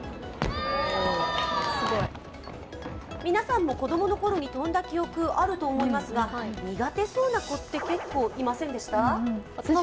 皆さんも子供のころに跳んだ記憶あると思いますが、苦手そうな子って結構いませんでした？